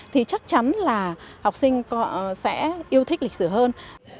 thì chắc chắn là học sinh sẽ yêu thích lịch sử hơn